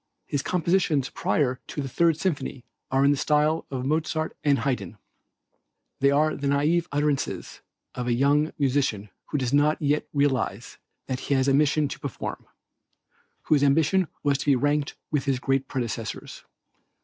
His compositions prior to the Third Symphony are in the style of Mozart and Haydn. They are the naïve utterances of the young musician who does not yet realize that he has a mission to perform; whose ambition was to be ranked with his great predecessors.